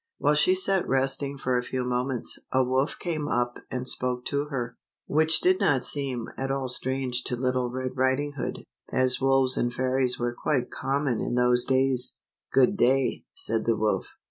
While she sat resting for a few moments, a wolf came up and spoke to her ; which did not seem at all strange to Little Red Riding Hood, as wolves and fairies were quite common in those days. " Good day," said the wolf.